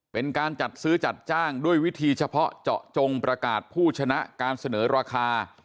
เป็นการจัดซื้อจัดจ้างด้วยวิธีเฉพาะเจาะจงประกาศผู้ชนะการเสนอราคา